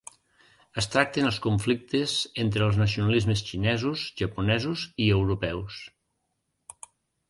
Es tracten els conflictes entre els nacionalismes xinesos, japonesos i europeus.